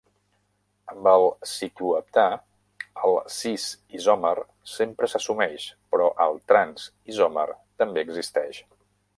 Amb el cicloheptà, el "cis"-isòmer sempre s'assumeix, però el "trans"-isòmer també existeix.